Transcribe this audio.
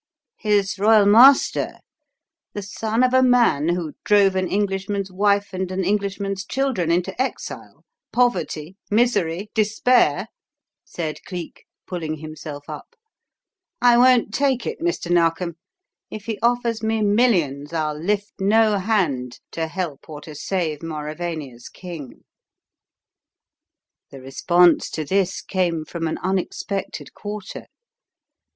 "His royal master? The son of the man who drove an Englishman's wife and an Englishman's children into exile poverty misery despair?" said Cleek, pulling himself up. "I won't take it, Mr. Narkom! If he offers me millions, I'll lift no hand to help or to save Mauravania's king!" The response to this came from an unexpected quarter.